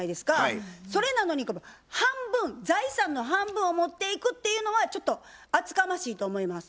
それなのに財産の半分を持っていくっていうのはちょっと厚かましいと思います。